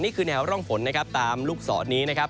นี่คือแนวร่องฝนนะครับตามลูกศรนี้นะครับ